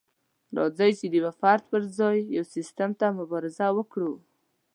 راځئ چې د يوه فرد پر ځای يو سيستم ته مبارزه وکړو.